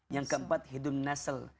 yang keempat hibdun nasel